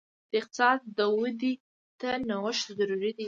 د اقتصاد ودې ته نوښت ضروري دی.